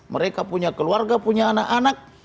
mereka punya keluarga punya anak anak